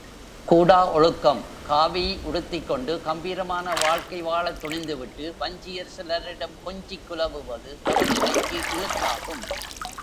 கூடா ஒழுக்கம் காவி உடுத்திக்கொண்டு கம்பீரமான வாழ்க்கை வாழத் துணிந்துவிட்டு வஞ்சியர் சிலரிடம் கொஞ்சிக் குலவுவது தவநிலைக்கு இழுக்காகும்.